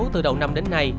từ đầu năm đến nay